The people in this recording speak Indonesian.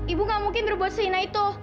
ibu nggak mungkin berbuat sehinah itu